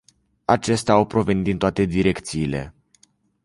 Acestea au provenit din toate direcțiile.